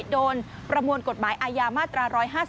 โดนประมวลกฎหมายอายามละ๓๕๗